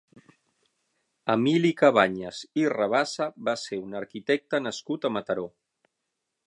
Emili Cabanyes i Rabassa va ser un arquitecte nascut a Mataró.